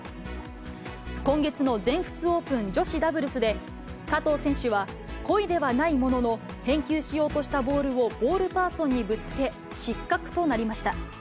今月の全仏オープン女子ダブルスで加藤選手は、故意ではないものの、返球しようとしたボールをボールパーソンにぶつけ、失格となりました。